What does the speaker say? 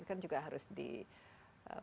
kan juga harus dipenuhi